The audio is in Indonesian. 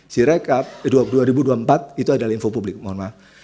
sirekap dua ribu dua puluh empat itu adalah info publik mohon maaf